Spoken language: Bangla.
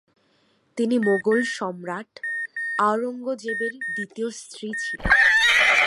তিনি মোগল সম্রাট আওরঙ্গজেবের দ্বিতীয় স্ত্রী ছিলেন।